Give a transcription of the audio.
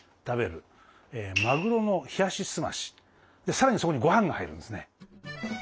さらにそこにごはんが入るんですね。